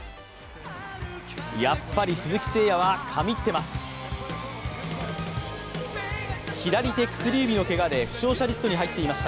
やっぱり鈴木誠也は神ってます！